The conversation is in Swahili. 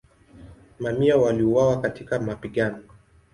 Mamia waliuawa katika mapigano.